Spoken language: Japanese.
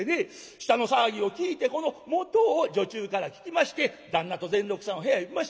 下の騒ぎを聞いてこの元を女中から聞きまして旦那と善六さんを部屋へ呼びまして。